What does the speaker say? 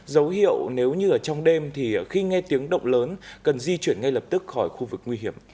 dấu hiệu nếu như ở trong đêm thì khi nghe tiếng động lớn cần di chuyển ngay lập tức khỏi khu vực nguy hiểm